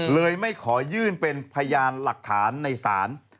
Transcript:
ไม่ขอยื่นเป็นพยานหลักฐานในศาล